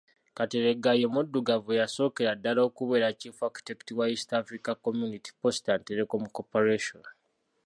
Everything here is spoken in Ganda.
Kateregga ye muddugavu eyasookera ddala okubeera Chief Architect wa East Africa Community Post & Telecom Corporation.